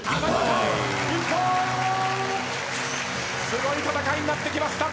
すごい戦いになってきました。